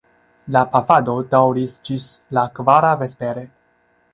La pafado daŭris ĝis la kvara vespere.